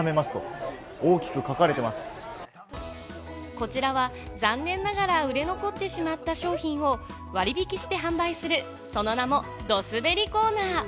こちらは残念ながら売れ残ってしまった商品を割引して販売する、その名もドすべりコーナー。